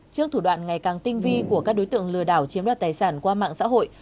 trước thủ đoạn ngày càng tinh vi của các đối tượng lừa đảo chiếm đoạt tài sản qua mạng xã hội